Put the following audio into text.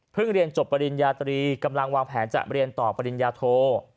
เรียนจบปริญญาตรีกำลังวางแผนจะเรียนต่อปริญญาโท